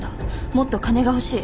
もっと金が欲しい。